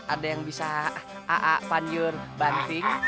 ada yang bisa a a panjur banting